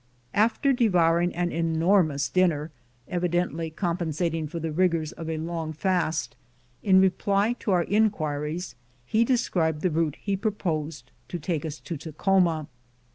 After devouring an enormous dinner, evidently compensating for the rigors of a long fast, in reply to our inquiries he described the route he pro posed to take to Takhoma.